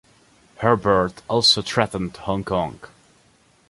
Herbert also threatened Hong Kong.